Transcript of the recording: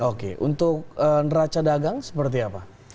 oke untuk neraca dagang seperti apa